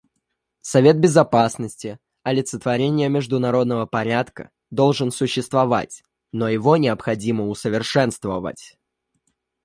Совет Безопасности, олицетворение международного порядка, должен существовать, но его необходимо усовершенствовать.